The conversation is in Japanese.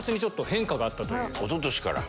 おととしから。